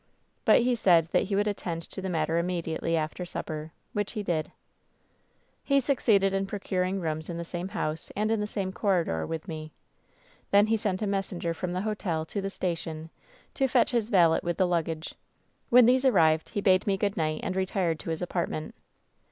But he said that he would attend to the matter immediately after supper, which he did. "He succeeded in procuring rooms in the same houpe and in the same corridor with me. Then he sent a me» WHEN SHADOWS DIE «1« sen^r from the hotel to the station to fetch his valet with the lu^age. "When these arrived he bade me good night, and re tired to his apartment.